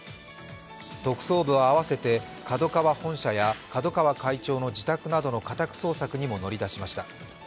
特捜部は併せてＫＡＤＯＫＡＷＡ本社や角川社長の自宅などの家宅捜索にも乗り出しました。